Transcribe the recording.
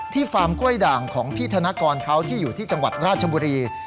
ฟาร์มกล้วยด่างของพี่ธนกรเขาที่อยู่ที่จังหวัดราชบุรี